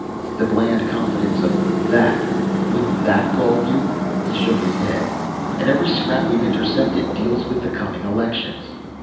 The bland confidence of that! Wouldn't that gall you?" He shook his head. "And every scrap we've intercepted deals with the coming elections."